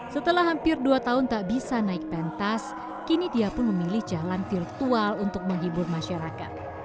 setelah hampir dua tahun tak bisa naik pentas kini dia pun memilih jalan virtual untuk menghibur masyarakat